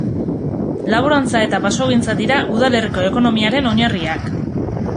Laborantza eta basogintza dira udalerriko ekonomiaren oinarriak.